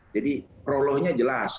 jadi prolohnya jelas